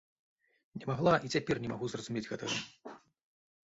Не магла, і цяпер не магу зразумець гэтага.